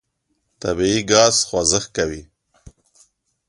طبیعي ګاز خوځښت کوي.